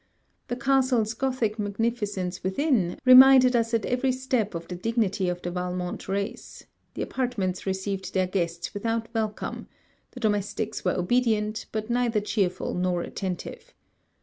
The castle's Gothic magnificence within reminded us at every step of the dignity of the Valmont race; the apartments received their guests without welcome; the domestics were obedient, but neither cheerful nor attentive.